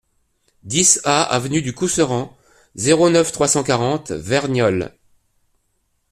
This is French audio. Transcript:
dix A avenue du Couserans, zéro neuf, trois cent quarante, Verniolle